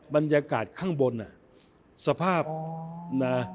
บรรยากาศข้างบน